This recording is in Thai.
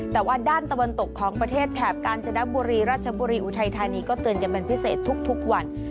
แต่ว่าด้านตะวันตกของประเทศแถบกาญจนบุรีราชบุรีอุทัยธานีก็เตือนกันเป็นพิเศษทุกวัน